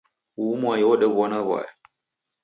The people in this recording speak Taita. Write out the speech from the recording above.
Uhu mwai odow'ona w'aya.